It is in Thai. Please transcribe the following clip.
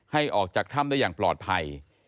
ให้ออกจากถ้ำได้อย่างปลอดภัย